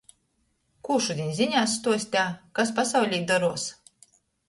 Kū šudiņ zinēs stuosteja, kas pasaulī doruos?